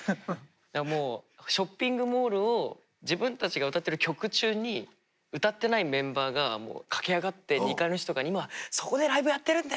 もうショッピングモールを自分たちが歌ってる曲中に歌ってないメンバーが駆け上がって２階の人とかに「今そこでライブやってるんで！」